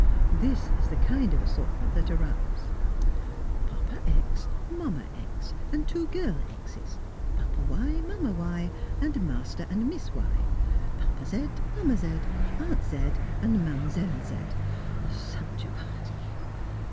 This is the kind of assortment that arrives: Papa X, Mamma X, and two girl X'es; Papa Y, Mamma Y, and Master and Miss Y; Papa Z, Mamma Z, Aunt Z, and Mdlle. Z such a party!